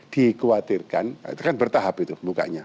dikuatirkan itu kan bertahap itu bukanya